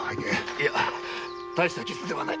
いや大した傷ではない。